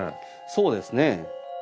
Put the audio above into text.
そうですね。